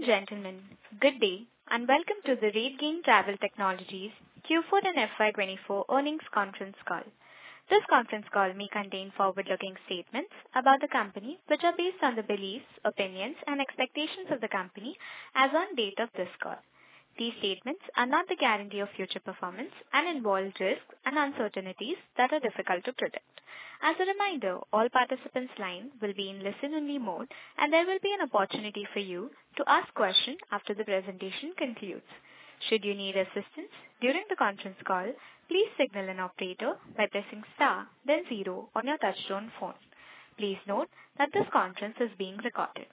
Ladies and gentlemen, good day, and welcome to the RateGain Travel Technologies Q4 and FY 2024 earnings conference call. This conference call may contain forward-looking statements about the company, which are based on the beliefs, opinions, and expectations of the company as on date of this call. These statements are not the guarantee of future performance and involve risks and uncertainties that are difficult to predict. As a reminder, all participants' lines will be in listen-only mode, and there will be an opportunity for you to ask questions after the presentation concludes. Should you need assistance during the conference call, please signal an operator by pressing star, then zero on your touchtone phone. Please note that this conference is being recorded.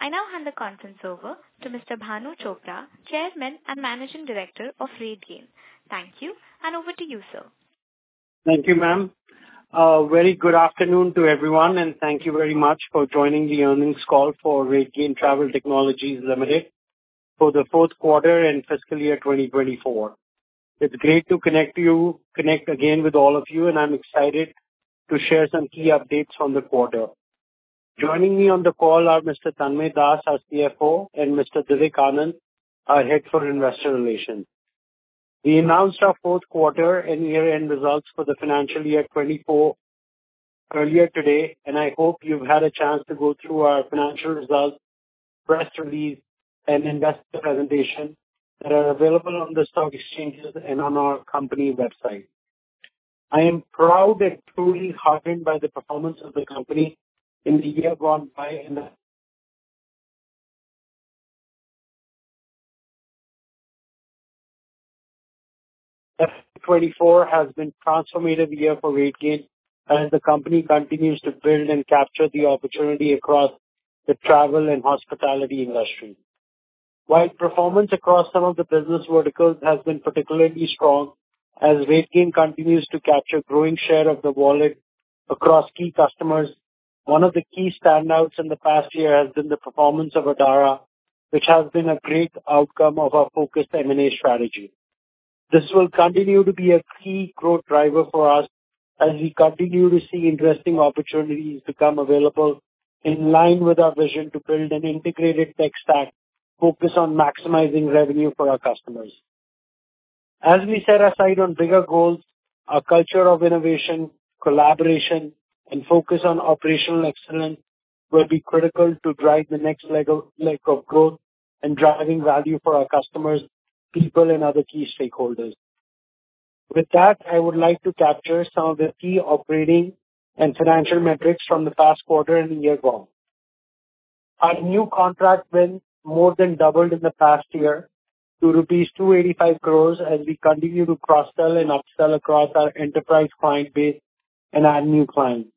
I now hand the conference over to Mr. Bhanu Chopra, Chairman and Managing Director of RateGain. Thank you, and over to you, sir. Thank you, ma'am. Very good afternoon to everyone, and thank you very much for joining the earnings call for RateGain Travel Technologies Limited for the fourth quarter and fiscal year 2024. It's great to connect again with all of you, and I'm excited to share some key updates from the quarter. Joining me on the call are Mr. Tanmay Das, our CFO, and Mr. Divik Anand, our Head of Investor Relations. We announced our fourth quarter and year-end results for the financial year 2024 earlier today, and I hope you've had a chance to go through our financial results, press release, and investor presentation that are available on the stock exchanges and on our company website. I am proud and truly heartened by the performance of the company in the year gone by, and... FY 2024 has been a transformative year for RateGain as the company continues to build and capture the opportunity across the travel and hospitality industry. While performance across some of the business verticals has been particularly strong, as RateGain continues to capture growing share of the wallet across key customers, one of the key standouts in the past year has been the performance of Adara, which has been a great outcome of our focused M&A strategy. This will continue to be a key growth driver for us as we continue to see interesting opportunities become available in line with our vision to build an integrated tech stack focused on maximizing revenue for our customers. As we set our sight on bigger goals, our culture of innovation, collaboration, and focus on operational excellence will be critical to drive the next leg of growth and driving value for our customers, people, and other key stakeholders. With that, I would like to capture some of the key operating and financial metrics from the past quarter and the year gone. Our new contract wins more than doubled in the past year to rupees 285 crores as we continue to cross-sell and upsell across our enterprise client base and add new clients.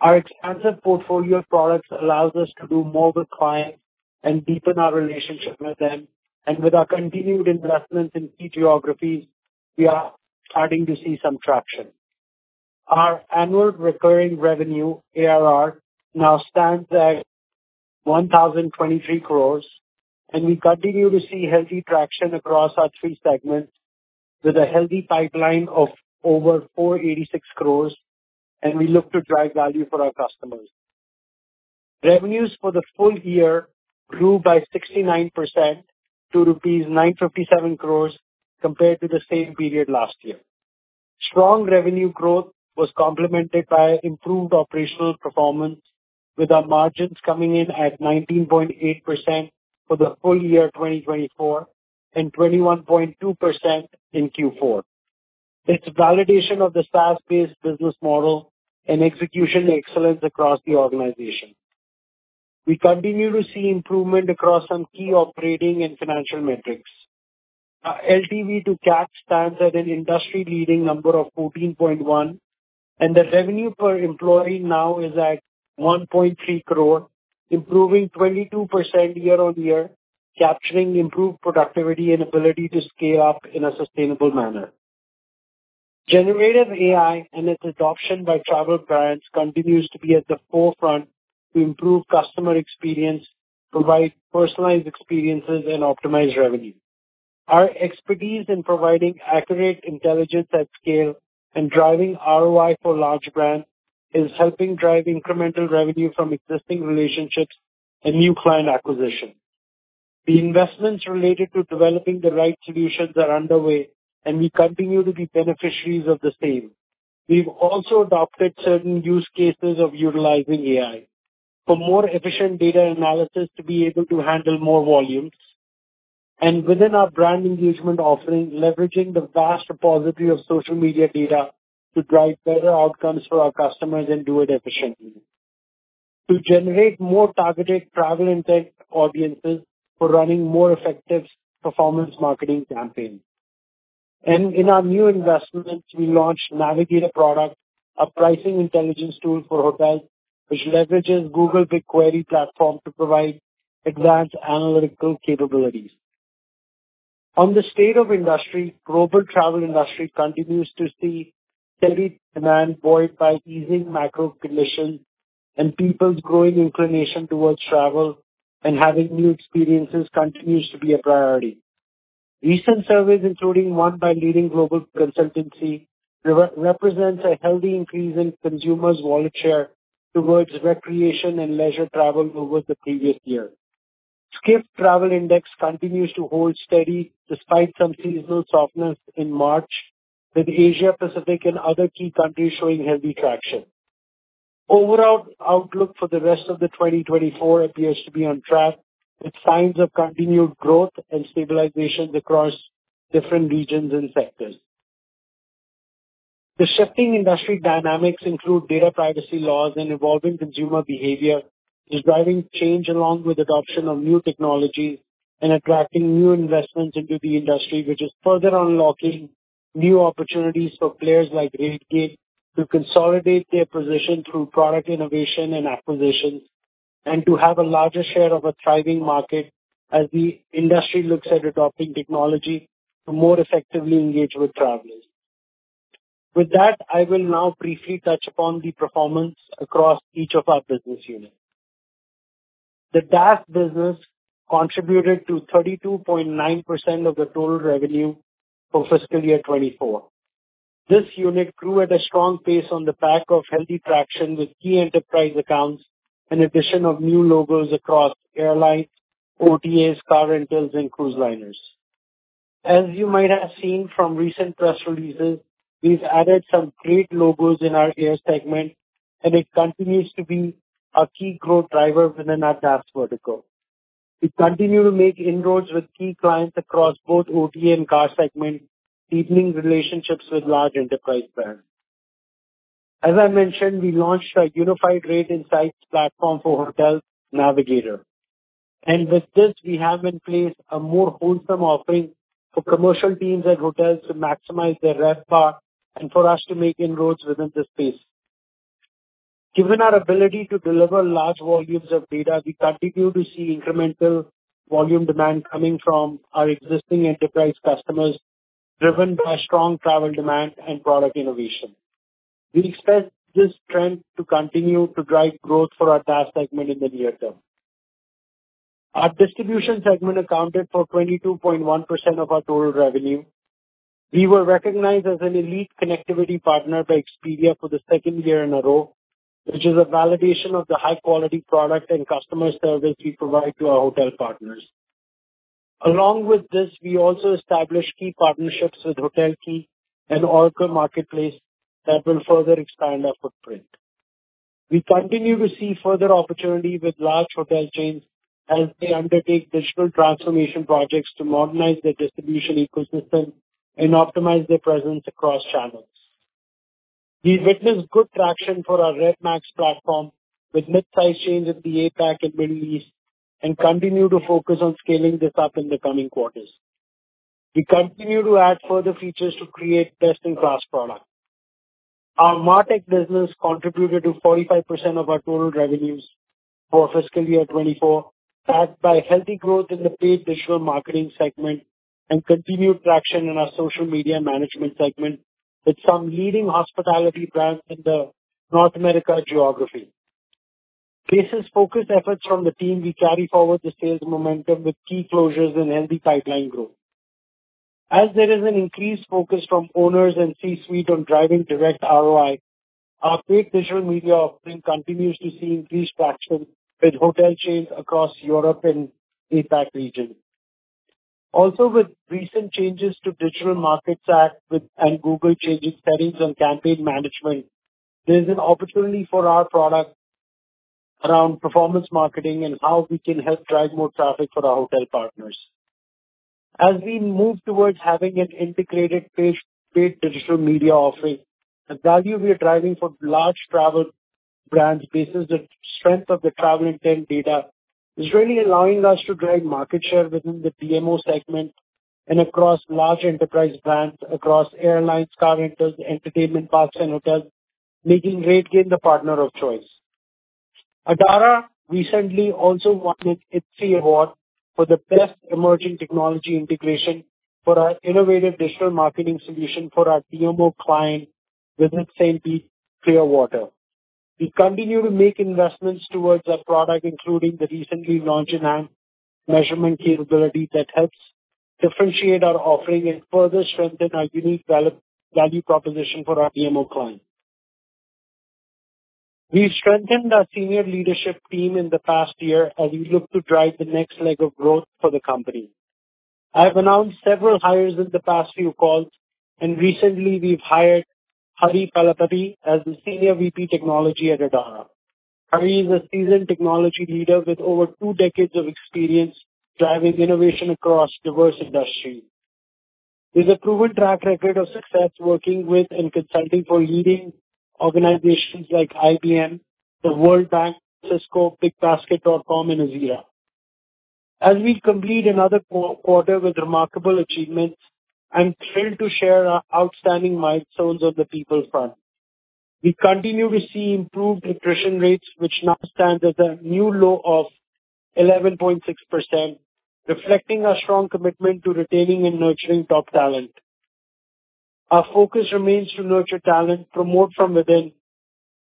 Our expansive portfolio of products allows us to do more with clients and deepen our relationship with them, and with our continued investments in key geographies, we are starting to see some traction. Our annual recurring revenue, ARR, now stands at 1,023 crores, and we continue to see healthy traction across our three segments with a healthy pipeline of over 486 crores, and we look to drive value for our customers. Revenues for the full year grew by 69% to rupees 957 crores compared to the same period last year. Strong revenue growth was complemented by improved operational performance, with our margins coming in at 19.8% for the full year 2024 and 21.2% in Q4. It's a validation of the SaaS-based business model and execution excellence across the organization. We continue to see improvement across some key operating and financial metrics. Our LTV to CAC stands at an industry-leading number of 14.1, and the revenue per employee now is at 1.3 crore, improving 22% year-on-year, capturing improved productivity and ability to scale up in a sustainable manner. Generative AI and its adoption by travel clients continues to be at the forefront to improve customer experience, provide personalized experiences, and optimize revenue. Our expertise in providing accurate intelligence at scale and driving ROI for large brands is helping drive incremental revenue from existing relationships and new client acquisition. The investments related to developing the right solutions are underway, and we continue to be beneficiaries of the same. We've also adopted certain use cases of utilizing AI for more efficient data analysis to be able to handle more volumes, and within our brand engagement offering, leveraging the vast repository of social media data to drive better outcomes for our customers and do it efficiently, to generate more targeted travel and tech audiences for running more effective performance marketing campaigns. In our new investments, we launched Navigator product, a pricing intelligence tool for hotels, which leverages Google BigQuery platform to provide advanced analytical capabilities. On the state of industry, global travel industry continues to see steady demand buoyed by easing macro conditions, and people's growing inclination towards travel and having new experiences continues to be a priority. Recent surveys, including one by leading global consultancy, represents a healthy increase in consumers' wallet share towards recreation and leisure travel over the previous year. Skift Travel Index continues to hold steady despite some seasonal softness in March, with Asia-Pacific and other key countries showing healthy traction. Overall outlook for the rest of 2024 appears to be on track, with signs of continued growth and stabilization across different regions and sectors. The shifting industry dynamics include data privacy laws, and evolving consumer behavior is driving change, along with adoption of new technologies and attracting new investments into the industry, which is further unlocking new opportunities for players like RateGain to consolidate their position through product innovation and acquisitions, and to have a larger share of a thriving market as the industry looks at adopting technology to more effectively engage with travelers. With that, I will now briefly touch upon the performance across each of our business units. The DaaS business contributed to 32.9% of the total revenue for fiscal year 2024. This unit grew at a strong pace on the back of healthy traction with key enterprise accounts, and addition of new logos across airlines, OTAs, car rentals, and cruise liners. As you might have seen from recent press releases, we've added some great logos in our air segment, and it continues to be a key growth driver within our DaaS vertical. We continue to make inroads with key clients across both OTA and car segments, deepening relationships with large enterprise brands. As I mentioned, we launched our unified rate insights platform for hotels, Navigator. With this, we have in place a more wholesome offering for commercial teams at hotels to maximize their RevPAR and for us to make inroads within this space. Given our ability to deliver large volumes of data, we continue to see incremental volume demand coming from our existing enterprise customers, driven by strong travel demand and product innovation. We expect this trend to continue to drive growth for our DaaS segment in the near term. Our distribution segment accounted for 22.1% of our total revenue. We were recognized as an Elite Connectivity Partner by Expedia for the second year in a row, which is a validation of the high-quality product and customer service we provide to our hotel partners. Along with this, we also established key partnerships with HotelKey and Oracle Marketplace that will further expand our footprint. We continue to see further opportunity with large hotel chains as they undertake digital transformation projects to modernize their distribution ecosystem and optimize their presence across channels. We've witnessed good traction for our RevMax platform with mid-sized chains in the APAC and Middle East, and continue to focus on scaling this up in the coming quarters. We continue to add further features to create best-in-class product. Our MarTech business contributed to 45% of our total revenues for fiscal year 2024, backed by healthy growth in the paid digital marketing segment and continued traction in our social media management segment, with some leading hospitality brands in the North America geography. Sales-focused efforts from the team will carry forward the sales momentum with key closures and healthy pipeline growth. As there is an increased focus from owners and C-suite on driving direct ROI, our paid digital media offering continues to see increased traction with hotel chains across Europe and APAC region. Also, with recent changes to Digital Markets Act with and Google changing settings on campaign management, there's an opportunity for our product around performance marketing and how we can help drive more traffic for our hotel partners. As we move towards having an integrated paid, paid digital media offering, the value we are driving for large travel brands basis the strength of the travel intent data, is really allowing us to drive market share within the DMO segment and across large enterprise brands across airlines, car rentals, entertainment parks, and hotels, making RateGain the partner of choice. Adara recently also won an ETI award for the Best Emerging Technology Integration for our innovative digital marketing solution for our DMO client, Visit St. Pete/Clearwater. We continue to make investments towards our product, including the recently launched enhanced measurement capabilities that helps differentiate our offering and further strengthen our unique value proposition for our DMO clients. We've strengthened our senior leadership team in the past year as we look to drive the next leg of growth for the company. I have announced several hires in the past few calls, and recently we've hired Hari Peesapati as the Senior VP, Technology at Adara. Hari is a seasoned technology leader with over two decades of experience driving innovation across diverse industries. He has a proven track record of success working with and consulting for leading organizations like IBM, the World Bank, Cisco, BigBasket.com, and Aujas. As we complete another quarter with remarkable achievements, I'm thrilled to share our outstanding milestones of the people front. We continue to see improved attrition rates, which now stands at a new low of 11.6%, reflecting our strong commitment to retaining and nurturing top talent. Our focus remains to nurture talent, promote from within,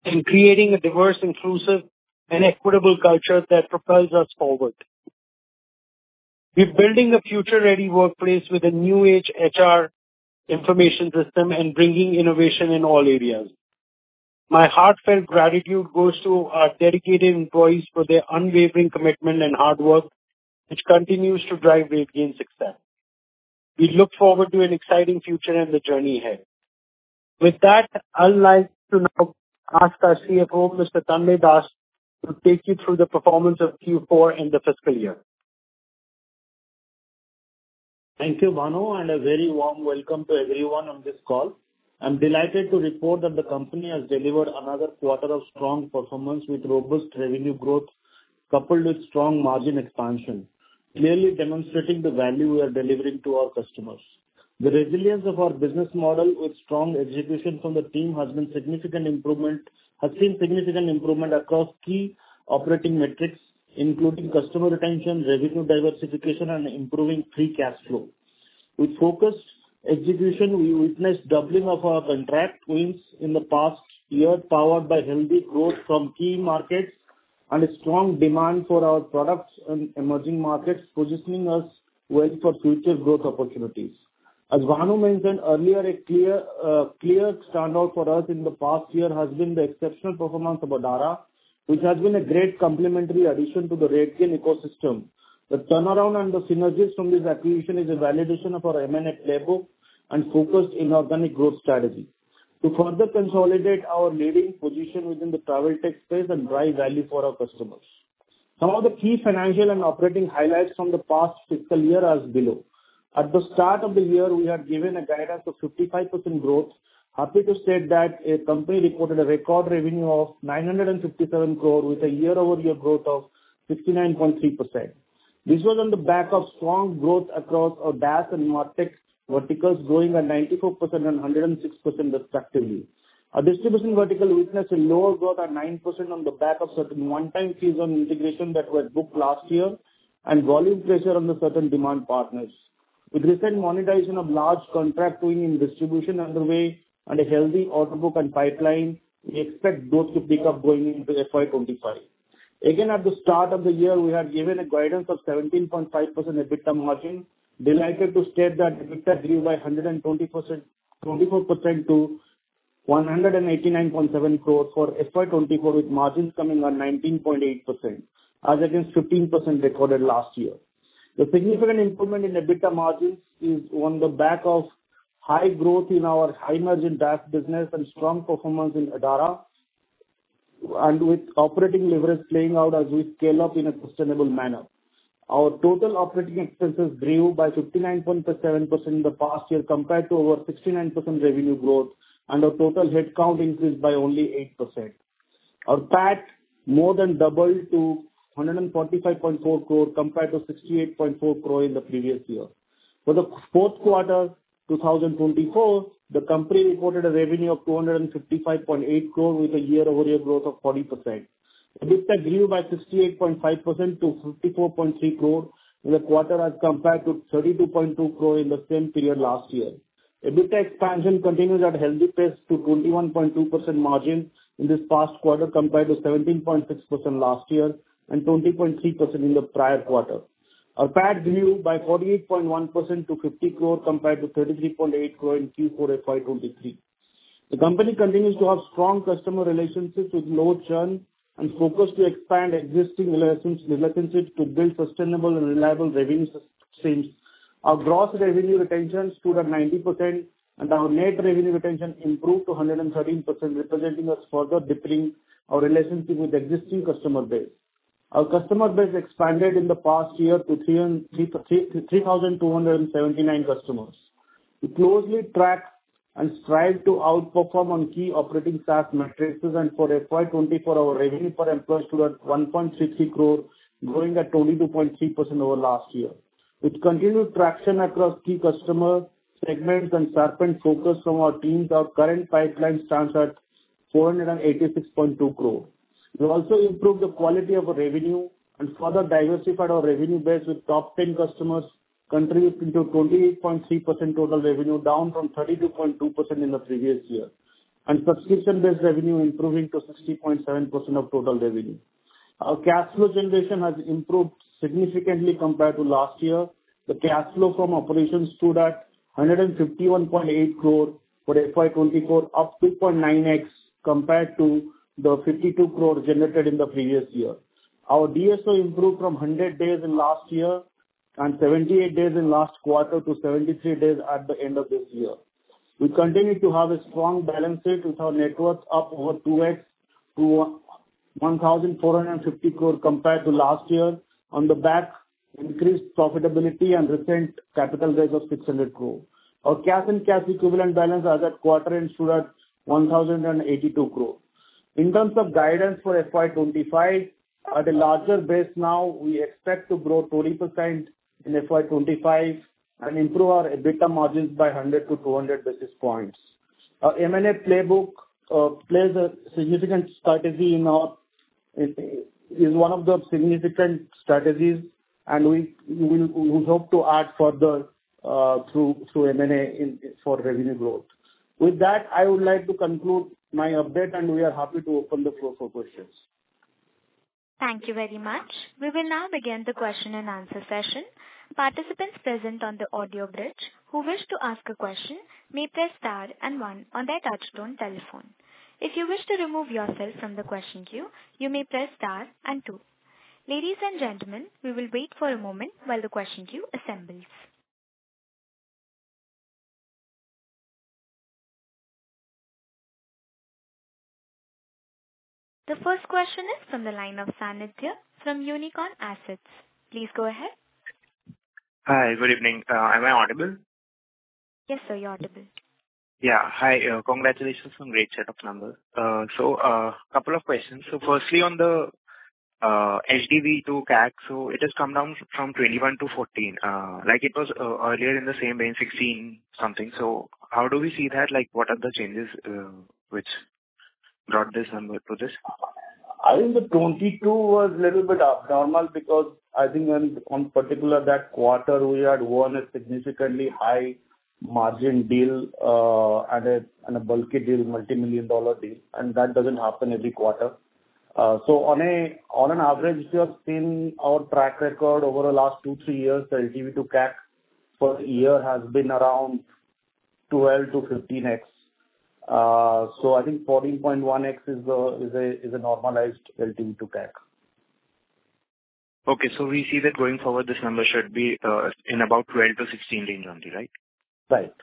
and creating a diverse, inclusive, and equitable culture that propels us forward. We're building a future-ready workplace with a new age HR information system and bringing innovation in all areas. My heartfelt gratitude goes to our dedicated employees for their unwavering commitment and hard work, which continues to drive RateGain's success. We look forward to an exciting future and the journey ahead. With that, I'd like to now ask our CFO, Mr. Tanmay Das, to take you through the performance of Q4 in the fiscal year. Thank you, Bhanu, and a very warm welcome to everyone on this call. I'm delighted to report that the company has delivered another quarter of strong performance, with robust revenue growth coupled with strong margin expansion, clearly demonstrating the value we are delivering to our customers. The resilience of our business model, with strong execution from the team, has seen significant improvement across key operating metrics, including customer retention, revenue diversification, and improving free cash flow. With focused execution, we witnessed doubling of our contract wins in the past year, powered by healthy growth from key markets and a strong demand for our products in emerging markets, positioning us well for future growth opportunities. As Bhanu mentioned earlier, a clear, clear standout for us in the past year has been the exceptional performance of Adara, which has been a great complementary addition to the RateGain ecosystem. The turnaround and the synergies from this acquisition is a validation of our M&A playbook and focused inorganic growth strategy to further consolidate our leading position within the travel tech space and drive value for our customers. Some of the key financial and operating highlights from the past fiscal year are as below. At the start of the year, we had given a guidance of 55% growth. Happy to state that the company reported a record revenue of 967 crore, with a year-over-year growth of 69.3%. This was on the back of strong growth across our SaaS and MarTech verticals, growing at 94% and 106% respectively. Our distribution vertical witnessed a lower growth at 9% on the back of certain one-time fees on integration that were booked last year, and volume pressure on the certain demand partners. With recent monetization of large contract winning in distribution underway and a healthy order book and pipeline, we expect growth to pick up going into FY 2025. Again, at the start of the year, we had given a guidance of 17.5% EBITDA margin. Delighted to state that EBITDA grew by 120%--24% to 189.7 crores for FY 2024, with margins coming on 19.8%, as against 15% recorded last year. The significant improvement in EBITDA margins is on the back of high growth in our high-margin SaaS business and strong performance in Adara, and with operating leverage playing out as we scale up in a sustainable manner. Our total operating expenses grew by 59.7% in the past year, compared to our 69% revenue growth, and our total headcount increased by only 8%. Our PAT more than doubled to 145.4 crore, compared to 68.4 crore in the previous year. For the fourth quarter 2024, the company reported a revenue of 255.8 crore, with a year-over-year growth of 40%. EBITDA grew by 68.5% to 54.3 crore in the quarter as compared to 32.2 crore in the same period last year. EBITDA expansion continues at a healthy pace to 21.2% margin in this past quarter, compared to 17.6% last year and 20.3% in the prior quarter. Our PAT grew by 48.1% to 50 crore, compared to 33.8 crore in Q4 FY 2023. The company continues to have strong customer relationships with low churn and focus to expand existing relationships to build sustainable and reliable revenue streams. Our gross revenue retention stood at 90%, and our net revenue retention improved to 113%, representing a further deepening our relationship with existing customer base. Our customer base expanded in the past year to 3,279 customers. We closely track and strive to outperform on key operating SaaS metrics, and for FY 2024, our revenue per employee stood at 1.60 crore, growing at 22.3% over last year. With continued traction across key customer segments and sharpened focus from our teams, our current pipeline stands at 486.2 crore. We also improved the quality of our revenue and further diversified our revenue base, with top 10 customers contributing to 28.3% total revenue, down from 32.2% in the previous year. And subscription-based revenue improving to 60.7% of total revenue. Our cash flow generation has improved significantly compared to last year. The cash flow from operations stood at 151.8 crore for FY 2024, up 2.9x, compared to the 52 crore generated in the previous year. Our DSO improved from 100 days in last year and 78 days in last quarter to 73 days at the end of this year. We continue to have a strong balance sheet, with our net worth up over 2x to 1,450 crore compared to last year, on the back of increased profitability and recent capital raise of 600 crore. Our cash and cash equivalent balance as at quarter end stood at 1,082 crore. In terms of guidance for FY 2025, at a larger base now, we expect to grow 20% in FY 2025 and improve our EBITDA margins by 100-200 basis points. Our M&A playbook plays a significant strategy in our, it is one of the significant strategies, and we will hope to add further through M&A in for revenue growth. With that, I would like to conclude my update, and we are happy to open the floor for questions. Thank you very much. We will now begin the question and answer session. Participants present on the audio bridge, who wish to ask a question, may press star and one on their touchtone telephone. If you wish to remove yourself from the question queue, you may press star and two. Ladies and gentlemen, we will wait for a moment while the question queue assembles. The first question is from the line of Sanidhya from Unicorn Asset Management. Please go ahead. Hi, good evening. Am I audible? Yes, sir, you're audible. Yeah. Hi, congratulations on great set of numbers. So, couple of questions. So firstly, on the LTV to CAC, so it has come down from 21 to 14. Like it was earlier in the same range, 16 something. So how do we see that? Like, what are the changes which brought this number to this? I think the 22 was little bit abnormal because I think on particular that quarter, we had won a significantly high margin deal, and a bulky deal, multimillion dollar deal, and that doesn't happen every quarter. So on average, if you have seen our track record over the last 2, 3 years, the LTV to CAC per year has been around 12-15x. So I think 14.1x is a normalized LTV to CAC. Okay, so we see that going forward, this number should be in about 12-16 range only, right? Right.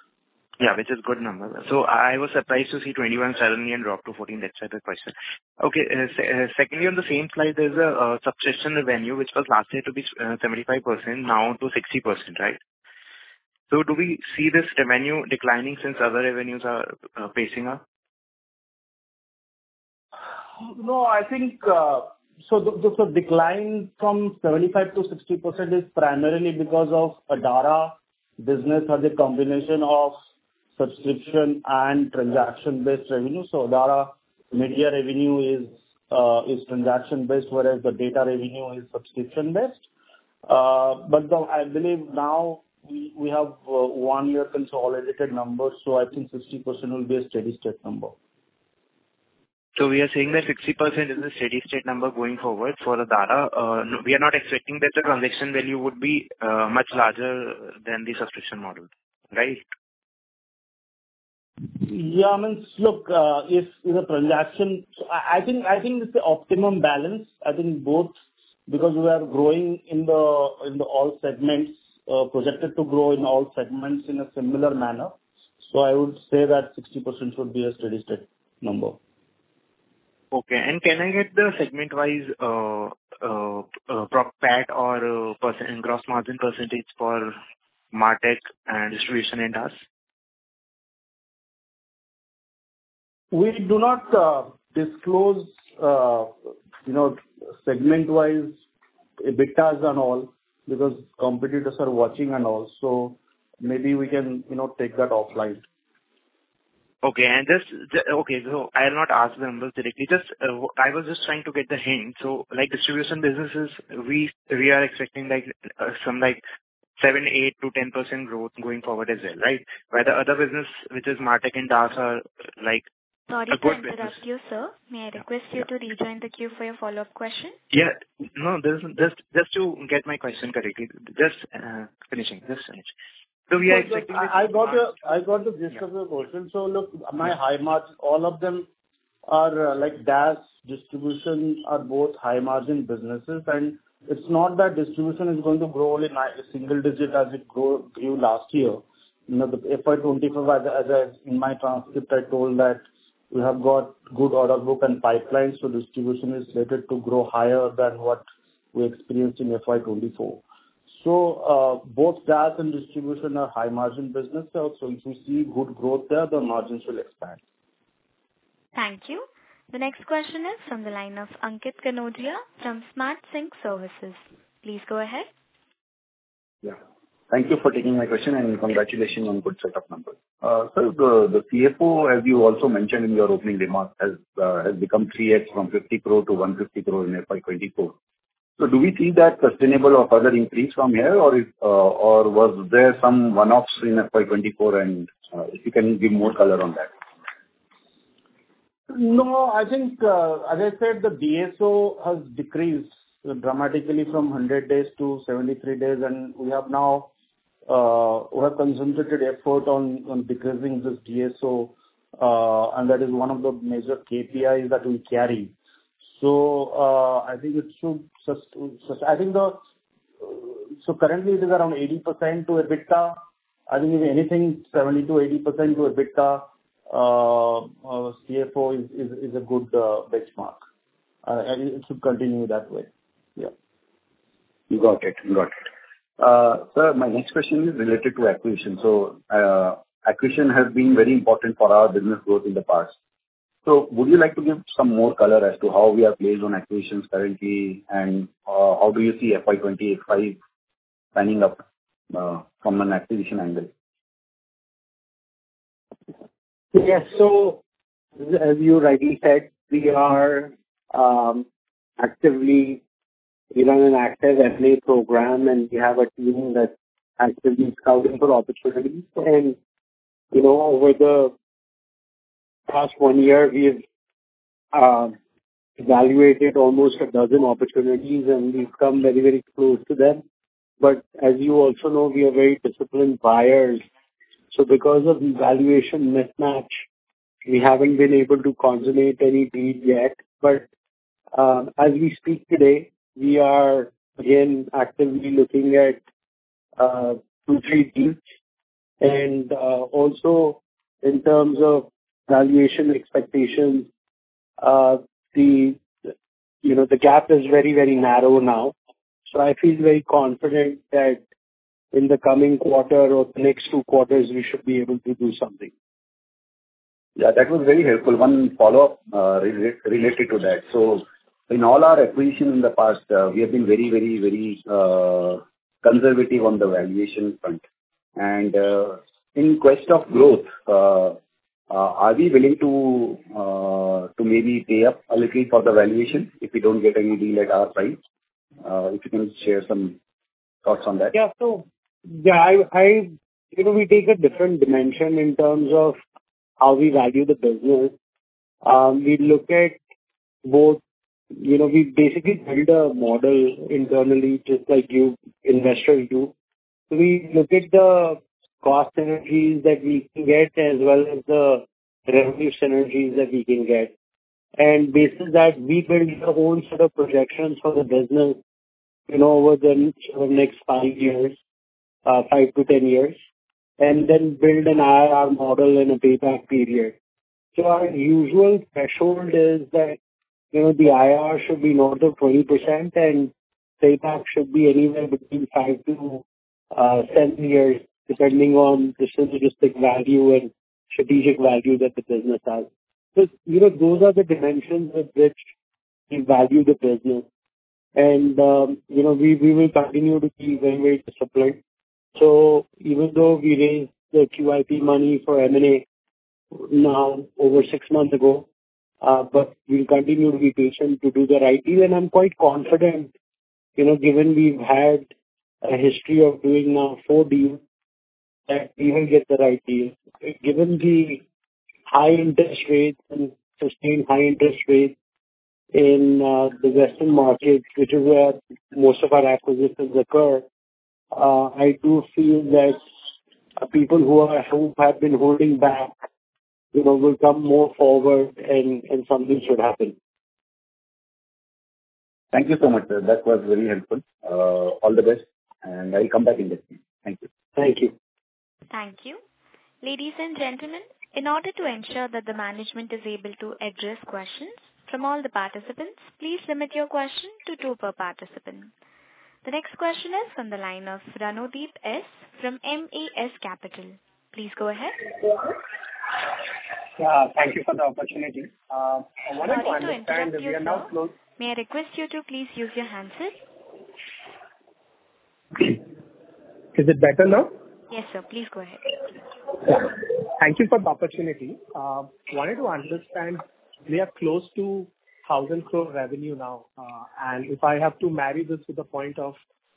Yeah, which is good number. So I, I was surprised to see 21 suddenly and drop to 14. That's why the question. Okay, secondly, on the same slide, there's a subscription revenue, which was last year to be 75%, now to 60%, right? So do we see this revenue declining since other revenues are pacing up? No, I think so the decline from 75% to 60% is primarily because of Adara business or the combination of subscription and transaction-based revenue. So Adara media revenue is transaction-based, whereas the data revenue is subscription-based. But now I believe we have one-year consolidated numbers, so I think 60% will be a steady state number. So we are saying that 60% is a steady state number going forward for Adara. No, we are not expecting that the transaction value would be much larger than the subscription model, right? Yeah, I mean, look, if the transaction... I think it's an optimum balance. I think both, because we are growing in all segments, projected to grow in all segments in a similar manner. So I would say that 60% should be a steady state number. Okay. Can I get the segment-wise PAT or percent gross margin percentage for MarTech and distribution in DaaS? We do not disclose, you know, segment-wise, EBITDA and all, because competitors are watching and all. So maybe we can, you know, take that offline. Okay, so I'll not ask the numbers directly. Just, I was just trying to get the hint. So, like, distribution businesses, we, we are expecting, like, some, like, 7-8 to 10% growth going forward as well, right? Where the other business, which is MarTech and DaaS, are like a good- Sorry to interrupt you, sir. May I request you to rejoin the queue for your follow-up question? Yeah. No, just to get my question correctly. Just finishing. Just finish. So we are expecting this- I got the gist of your question. Yeah. So look, my high margin, all of them are, like DaaS, distribution, are both high-margin businesses. And it's not that distribution is going to grow only in a single digit as it grew last year. You know, the FY 2025, as I, as I, in my transcript, I told that we have got good order book and pipeline, so distribution is slated to grow higher than what we experienced in FY 2024. So, both DaaS and distribution are high-margin business. So if you see good growth there, the margins will expand. Thank you. The next question is from the line of Ankit Kanodia from SmartSync Services. Please go ahead. Yeah. Thank you for taking my question, and congratulations on good set of numbers. Sir, the CFO, as you also mentioned in your opening remarks, has become 3x from 50 crore to 150 crore in FY 2024. So do we see that sustainable or further increase from here, or was there some one-offs in FY 2024? If you can give more color on that. No, I think, as I said, the DSO has decreased dramatically from 100 days to 73 days, and we have now more concentrated effort on decreasing this DSO, and that is one of the major KPIs that we carry. So, currently it is around 80% to EBITDA. I think anything 70%-80% to EBITDA, CFO is a good benchmark. And it should continue that way. Yeah. You got it. You got it. Sir, my next question is related to acquisition. So, acquisition has been very important for our business growth in the past. So would you like to give some more color as to how we are placed on acquisitions currently? And, how do you see FY 25?... signing up, from an acquisition angle? Yes. So as you rightly said, we are actively, we run an active M&A program, and we have a team that actively scouting for opportunities. And, you know, over the past 1 year, we've evaluated almost a dozen opportunities, and we've come very, very close to them. But as you also know, we are very disciplined buyers. So because of valuation mismatch, we haven't been able to consummate any deal yet. But, as we speak today, we are again actively looking at 2-3 deals. And, also in terms of valuation expectations, the, you know, the gap is very, very narrow now. So I feel very confident that in the coming quarter or the next 2 quarters, we should be able to do something. Yeah, that was very helpful. One follow-up, re-related to that. So in all our acquisitions in the past, we have been very, very, very, conservative on the valuation front. And, in quest of growth, are we willing to, to maybe pay up a little for the valuation if we don't get any deal at our price? If you can share some thoughts on that. Yeah. So, yeah, you know, we take a different dimension in terms of how we value the business. We look at both, you know, we basically build a model internally, just like you investors do. We look at the cost synergies that we can get, as well as the revenue synergies that we can get. And based on that, we build our own set of projections for the business, you know, over the next 5 years, 5-10 years, and then build an IR model and a payback period. So our usual threshold is that, you know, the IR should be north of 20%, and payback should be anywhere between 5-7 years, depending on the synergistic value and strategic value that the business has. So, you know, those are the dimensions with which we value the business, and, you know, we, we will continue to be very, very disciplined. So even though we raised the QIP money for M&A now over six months ago, but we'll continue to be patient to do the right deal. And I'm quite confident, you know, given we've had a history of doing now four deals, that we will get the right deal. Given the high interest rates and sustained high interest rates in, the Western markets, which is where most of our acquisitions occur, I do feel that people who are, who have been holding back, you know, will come more forward and, and something should happen. Thank you so much. That was very helpful. All the best, and I'll come back in this meeting. Thank you. Thank you. Thank you. Ladies and gentlemen, in order to ensure that the management is able to address questions from all the participants, please limit your question to two per participant. The next question is from the line of Ranodeep Sen from MAS Capital. Please go ahead. Yeah, thank you for the opportunity. I wanted to understand- Sorry to interrupt you, sir. May I request you to please use your handset? Is it better now? Yes, sir. Please go ahead. Thank you for the opportunity. Wanted to understand, we are close to 1,000 crore revenue now. And if I have to marry this to the point of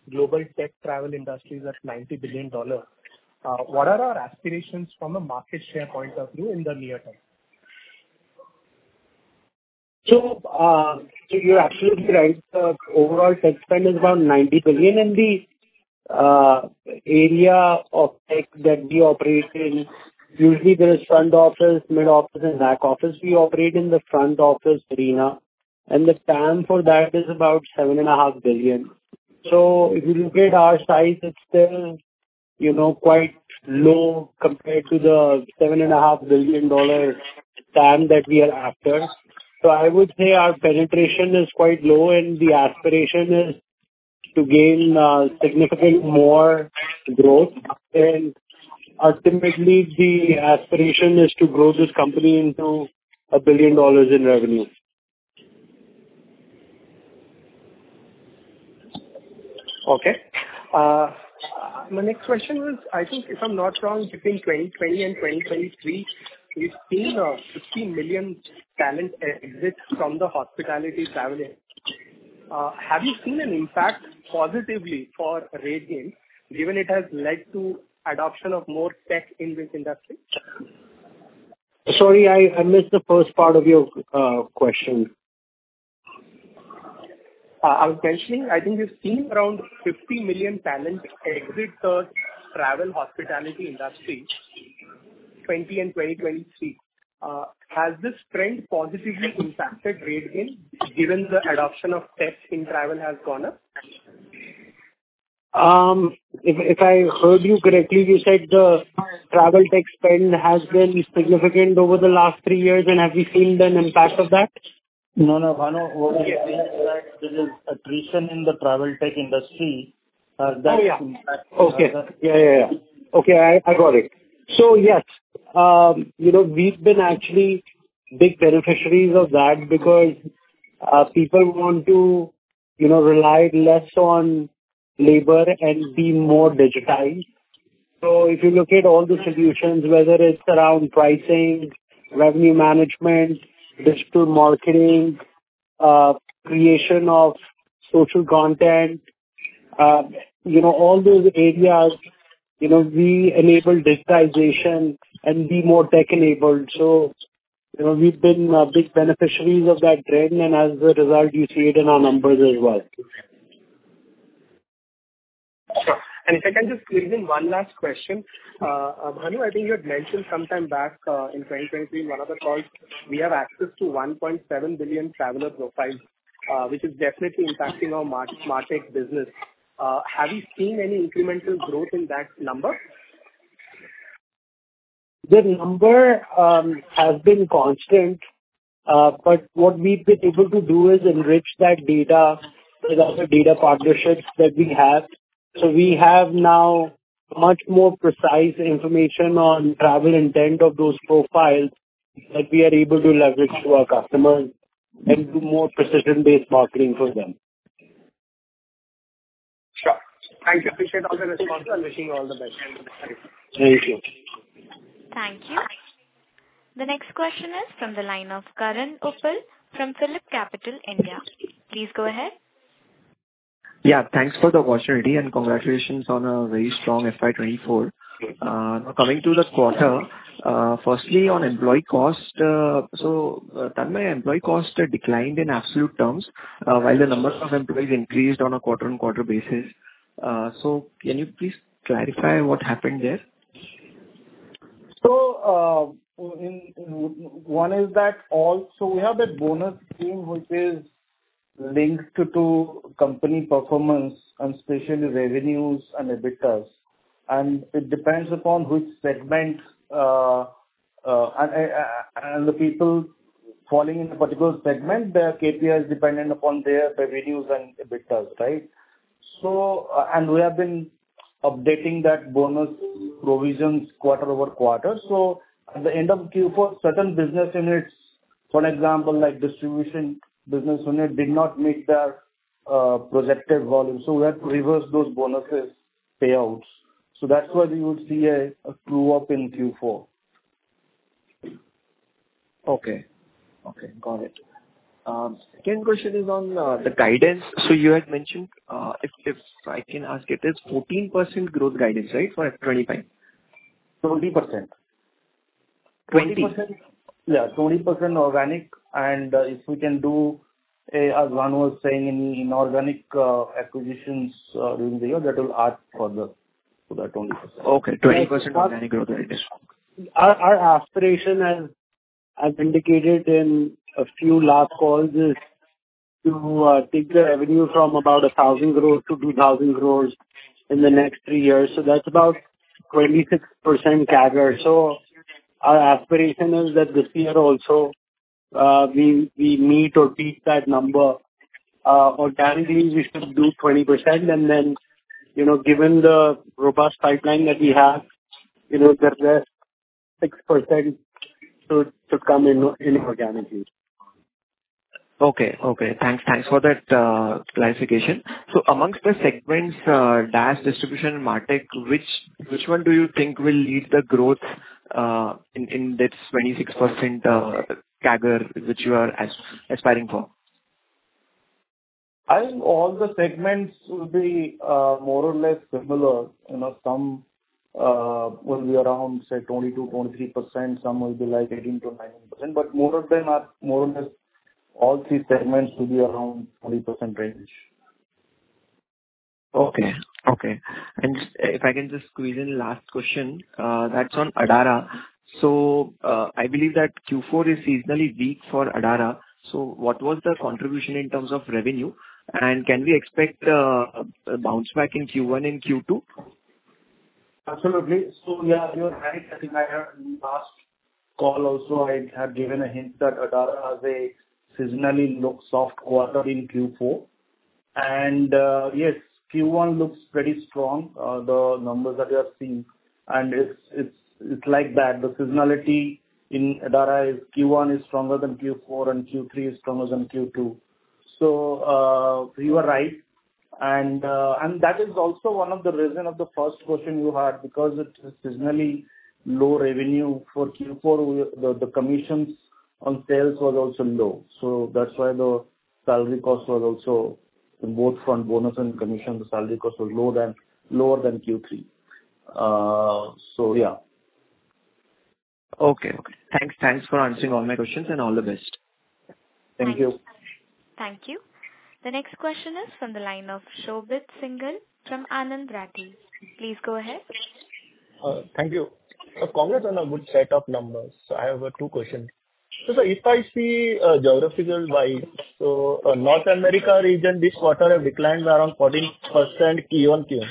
global tech travel industries at $90 billion, what are our aspirations from a market share point of view in the near term? So, so you're absolutely right. The overall tech spend is around $90 billion in the area of tech that we operate in. Usually, there is front office, mid office, and back office. We operate in the front office arena, and the TAM for that is about $7.5 billion. So if you look at our size, it's still, you know, quite low compared to the $7.5 billion dollar TAM that we are after. So I would say our penetration is quite low, and the aspiration is to gain significantly more growth. And ultimately, the aspiration is to grow this company into $1 billion in revenue. Okay. My next question was, I think if I'm not wrong, between 2020 and 2023, we've seen 50 million talent exits from the hospitality travel industry. Have you seen an impact positively for RateGain, given it has led to adoption of more tech in this industry? Sorry, I missed the first part of your question. I was mentioning, I think we've seen around 50 million talent exit the travel hospitality industry, 2020 and 2023. Has this trend positively impacted RateGain, given the adoption of tech in travel has gone up? If I heard you correctly, you said the travel tech spend has been significant over the last three years, and have we seen an impact of that? No, no, Ranodeep, what we have is that there is attrition in the travel tech industry, that- Oh, yeah. Okay. Yeah, yeah, yeah. Okay, I, I got it. So yes, you know, we've been actually big beneficiaries of that because people want to, you know, rely less on labor and be more digitized. So if you look at all the solutions, whether it's around pricing, revenue management, digital marketing, creation of social content, you know, all those areas, you know, we enable digitization and be more tech-enabled. So you know, we've been big beneficiaries of that trend, and as a result, you see it in our numbers as well. Sure. And if I can just squeeze in one last question. Bhanu, I think you had mentioned sometime back, in 2021 of the calls, we have access to 1.7 billion traveler profiles, which is definitely impacting our MarTech business. Have you seen any incremental growth in that number? The number has been constant, but what we've been able to do is enrich that data with other data partnerships that we have. So we have now much more precise information on travel intent of those profiles that we are able to leverage to our customers and do more precision-based marketing for them. Sure. Thank you. Appreciate all the response, and wishing you all the best. Thank you. Thank you. The next question is from the line of Karan Uppal from PhillipCapital India. Please go ahead. Yeah, thanks for the opportunity, and congratulations on a very strong FY 2024. Coming to the quarter, firstly, on employee cost, so, Tanmay, employee cost declined in absolute terms, while the number of employees increased on a quarter-on-quarter basis. So can you please clarify what happened there? So we have that bonus scheme, which is linked to the company performance, and especially revenues and EBITDA, and it depends upon which segment, and the people falling in a particular segment, their KPI is dependent upon their revenues and EBITDA, right? So, and we have been updating that bonus provisions quarter over quarter. So at the end of Q4, certain business units, for example, like distribution business unit, did not meet their projected volume, so we had to reverse those bonuses payouts. So that's why you would see a true-up in Q4. Okay. Okay, got it. Second question is on the guidance. You had mentioned, if, if I can ask it, it's 14% growth guidance, right, for FY 2025? Twenty percent. Twenty. 20%. Yeah, 20% organic, and if we can do, as Bhanu was saying, any inorganic acquisitions during the year, that will add further to that 20%. Okay, 20% organic growth. Our aspiration, as indicated in a few last calls, is to take the revenue from about 1,000 crore to 2,000 crore in the next three years. So that's about 26% CAGR. So our aspiration is that this year also, we meet or beat that number. Organically, we should do 20%, and then, you know, given the robust pipeline that we have, you know, the rest, 6% should come inorganically. Okay, okay. Thanks. Thanks for that, clarification. So amongst the segments, DaaS, distribution, MarTech, which one do you think will lead the growth in this 26% CAGR, which you are aspiring for? I think all the segments will be more or less similar. You know, some will be around, say, 22-23%, some will be like 18-19%, but more of them are more or less, all three segments will be around 20% range. Okay, okay. And just... If I can just squeeze in last question, that's on Adara. So, I believe that Q4 is seasonally weak for Adara. So what was the contribution in terms of revenue, and can we expect a bounce back in Q1 and Q2? Absolutely. So, yeah, you're right. I think I, in the last call also, I had given a hint that Adara has a seasonally low soft quarter in Q4. And, yes, Q1 looks pretty strong, the numbers that we have seen, and it's like that. The seasonality in Adara is Q1 is stronger than Q4, and Q3 is stronger than Q2. So, you are right. And, and that is also one of the reason of the first question you had, because it's a seasonally low revenue for Q4, where the commissions on sales were also low. So that's why the salary cost was also, in both from bonus and commission, the salary cost was lower than Q3. So yeah. Okay, okay. Thanks. Thanks for answering all my questions, and all the best. Thank you. Thank you. The next question is from the line of Shobhit Singhal from Anand Rathi. Please go ahead. Thank you. Congrats on a good set of numbers. So I have two questions. So if I see geography-wide, so North America region, this quarter have declined around 14% Q1, QoQ.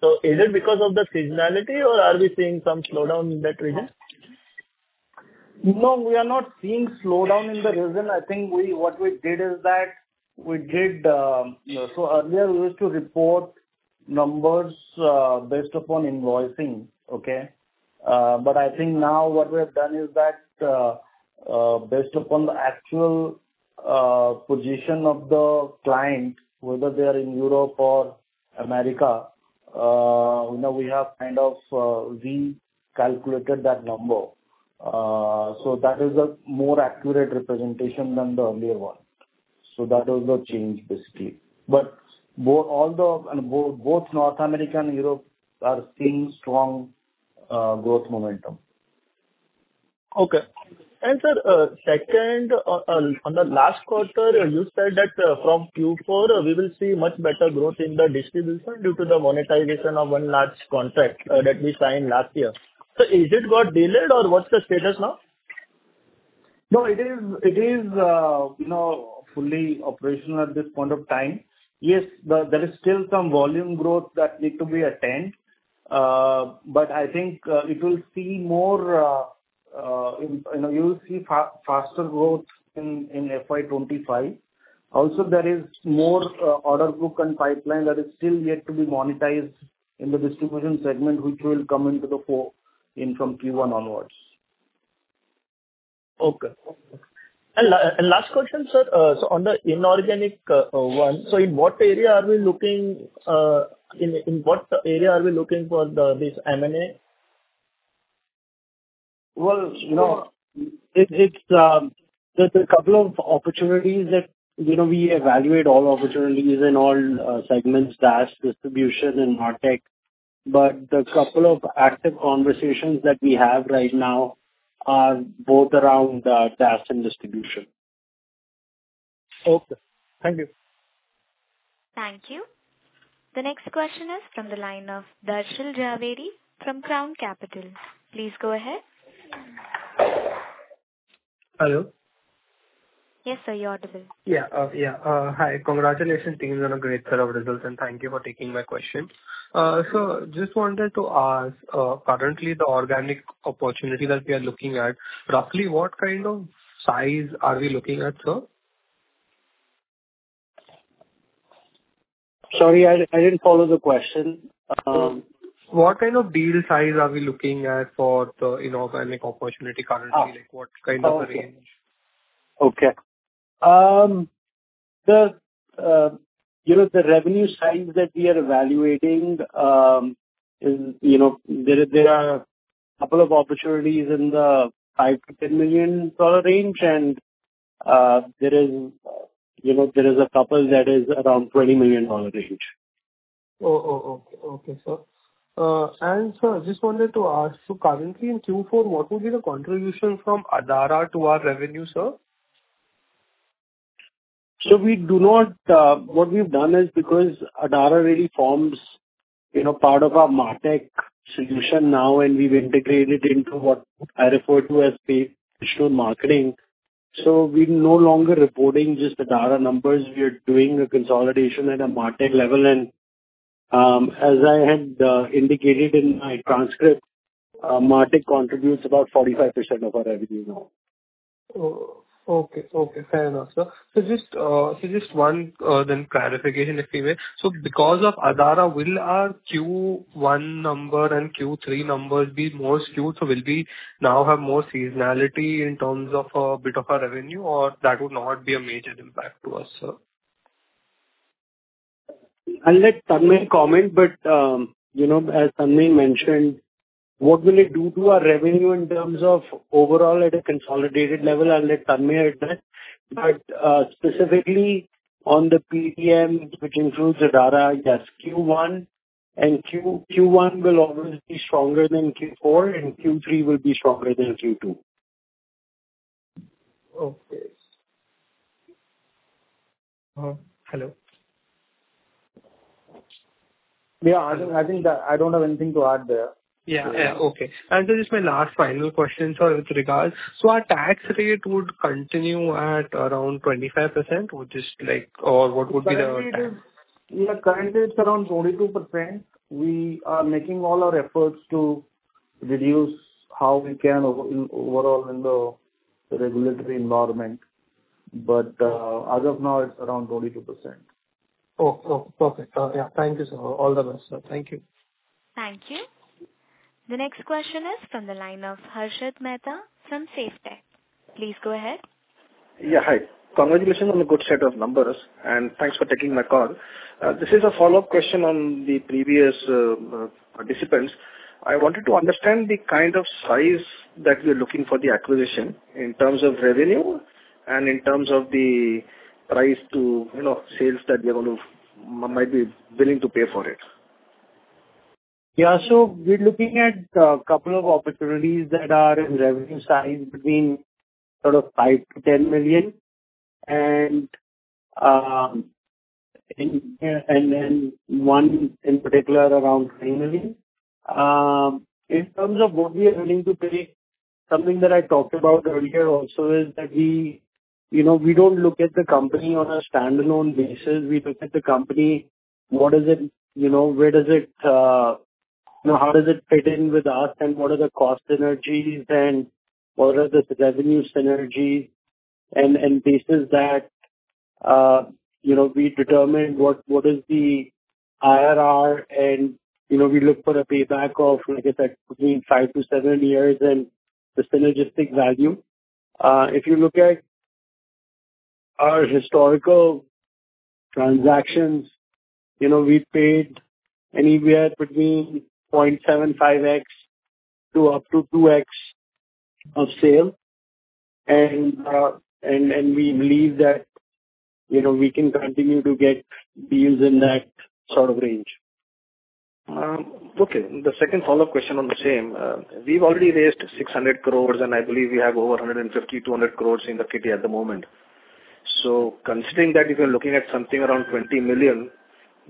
So is it because of the seasonality or are we seeing some slowdown in that region? No, we are not seeing slowdown in the region. I think what we did is that we did, you know, so earlier we used to report numbers based upon invoicing, okay?... but I think now what we have done is that, based upon the actual position of the client, whether they're in Europe or America, you know, we have kind of recalculated that number. So that is a more accurate representation than the earlier one. So that was the change, basically. But both North America and Europe are seeing strong growth momentum. Okay. And, sir, second, on the last quarter, you said that, from Q4 we will see much better growth in the distribution due to the monetization of one large contract, that we signed last year. So is it got delayed, or what's the status now? No, it is, it is, you know, fully operational at this point of time. Yes, there is still some volume growth that needs to be attained, but I think, it will see more, you know, you'll see faster growth in, in FY 25. Also, there is more, order book and pipeline that is still yet to be monetized in the distribution segment, which will come into the fore from Q1 onwards. Okay. And last question, sir. So on the inorganic one, so in what area are we looking for this M&A? Well, you know, it's a couple of opportunities that... You know, we evaluate all opportunities in all segments, DaaS, distribution, and MarTech, but the couple of active conversations that we have right now are both around DaaS and distribution. Okay. Thank you. Thank you. The next question is from the line of Darshan Jhaveri from Crown Capital. Please go ahead. Hello? Yes, sir, you're audible. Yeah. Yeah, hi. Congratulations on a great set of results, and thank you for taking my question. So just wanted to ask, currently the organic opportunity that we are looking at, roughly what kind of size are we looking at, sir? Sorry, I didn't follow the question. What kind of deal size are we looking at for the inorganic opportunity currently? Ah. Like, what kind of a range? Okay. The revenue size that we are evaluating is, you know, there are a couple of opportunities in the $5-$10 million range, and there is a couple that is around $20 million range. Okay. Okay, sir. And sir, I just wanted to ask, so currently in Q4, what will be the contribution from Adara to our revenue, sir? So we do not. What we've done is because Adara really forms, you know, part of our MarTech solution now, and we've integrated into what I refer to as the traditional marketing. So we're no longer reporting just Adara numbers. We are doing a consolidation at a MarTech level, and as I had indicated in my transcript, MarTech contributes about 45% of our revenue now. Oh, okay. Okay, fair enough, sir. So just, so just one, then clarification, if you will. So because of Adara, will our Q1 number and Q3 numbers be more skewed? So will we now have more seasonality in terms of a bit of our revenue, or that would not be a major impact to us, sir? I'll let Tanmay comment, but you know, as Tanmay mentioned, what will it do to our revenue in terms of overall at a consolidated level, I'll let Tanmay add to that. But specifically on the PDM, which includes Adara, yes, Q1 and Q1 will always be stronger than Q4, and Q3 will be stronger than Q2. Okay. Hello? Yeah. I, I think that I don't have anything to add there. This is my last final question, sir, with regards. Our tax rate would continue at around 25%, which is like... Or what would be the- Currently, it is, yeah, currently it's around 22%. We are making all our efforts to reduce how we can, overall, in the regulatory environment, but, as of now, it's around 22%. Oh, oh, perfect. Yeah, thank you, sir. All the best, sir. Thank you. Thank you. The next question is from the line of Harshad Mehta from SafeTech. Please go ahead. Yeah, hi. Congratulations on the good set of numbers, and thanks for taking my call. This is a follow-up question on the previous participants. I wanted to understand the kind of size that we're looking for the acquisition in terms of revenue and in terms of the price to, you know, sales that we are going to might be willing to pay for it. Yeah. So we're looking at a couple of opportunities that are in revenue size between sort of $5 million-$10 million and then one in particular around $20 million. In terms of what we are willing to pay, something that I talked about earlier also is that we, you know, we don't look at the company on a standalone basis. We look at the company, what does it, you know, where does it, you know, how does it fit in with us and what are the cost synergies and what are the revenue synergies, and you know, we determine what is the IRR, and, you know, we look for a payback of, I guess, like between 5-7 years and the synergistic value. If you look at our historical transactions, you know, we paid anywhere between 0.75x-2x of sale. And we believe that, you know, we can continue to get deals in that sort of range. Okay. The second follow-up question on the same. We've already raised 600 crore, and I believe we have over 150-200 crore in the kitty at the moment. So considering that if you're looking at something around $20 million,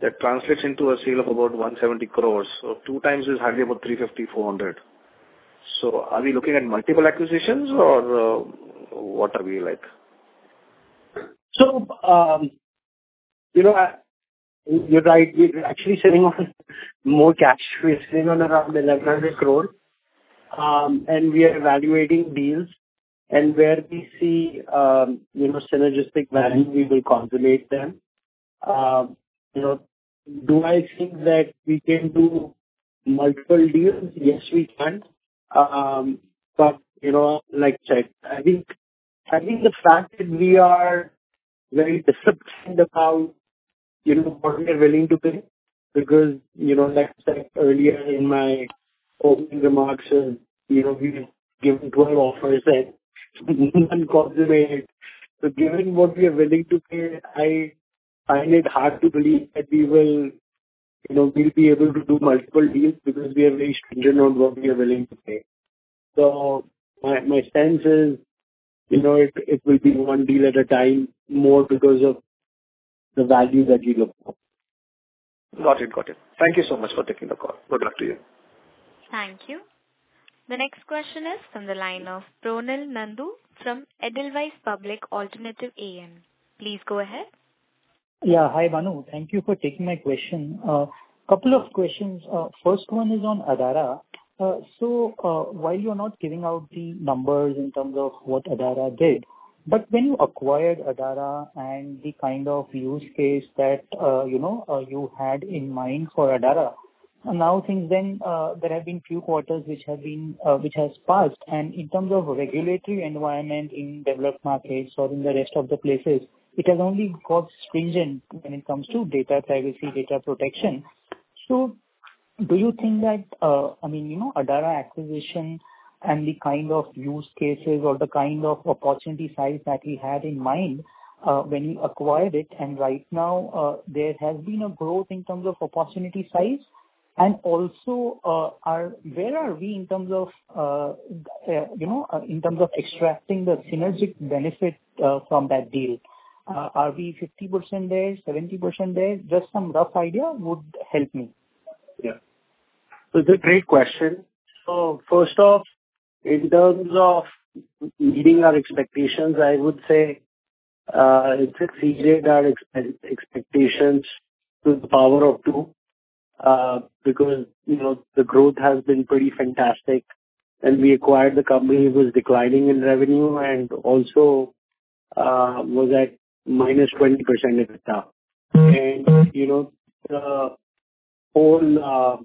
that translates into a sale of about 170 crore. So two times is hardly about 350-400 crore. So are we looking at multiple acquisitions or what are we like? So, you know, you're right. We're actually sitting on more cash. We're sitting on around 1,100 crore. And we are evaluating deals, and where we see, you know, synergistic value, we will consummate them. You know, do I think that we can do multiple deals? Yes, we can. But, you know, like, I think, I think the fact that we are very disciplined about, you know, what we're willing to pay because, you know, like I said earlier in my opening remarks, and, you know, we've given 12 offers and none consummate. So given what we are willing to pay, I, I find it hard to believe that we will, you know, we'll be able to do multiple deals because we are very stringent on what we are willing to pay. So my sense is, you know, it will be one deal at a time, more because of the value that we look for. Got it. Got it. Thank you so much for taking the call. Good luck to you. Thank you. The next question is from the line of Ronil Nandu from Edelweiss Alternative Asset Advisors. Please go ahead. Yeah. Hi, Bhanu. Thank you for taking my question. Couple of questions. First one is on Adara. So, while you're not giving out the numbers in terms of what Adara did, but when you acquired Adara and the kind of use case that, you know, you had in mind for Adara, and now since then, there have been few quarters which have been, which has passed. And in terms of regulatory environment in developed markets or in the rest of the places, it has only got stringent when it comes to data privacy, data protection. So do you think that, I mean, you know, Adara acquisition and the kind of use cases or the kind of opportunity size that you had in mind, when you acquired it, and right now, there has been a growth in terms of opportunity size. And also, Where are we in terms of, you know, in terms of extracting the synergistic benefit, from that deal? Are we 50% there, 70% there? Just some rough idea would help me. Yeah. It's a great question. So first off, in terms of meeting our expectations, I would say it exceeded our expectations to the power of two, because, you know, the growth has been pretty fantastic. When we acquired, the company was declining in revenue and also was at -20% EBITDA. Mm-hmm. You know, the whole